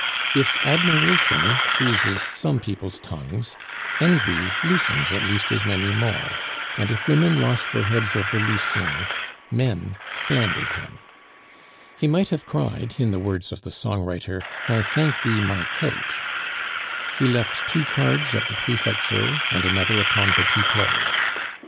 If admiration freezes some people's tongues, envy loosens at least as many more, and if women lost their heads over Lucien, men slandered him. He might have cried, in the words of the songwriter, "I thank thee, my coat!" He left two cards at the prefecture, and another upon Petit Claud.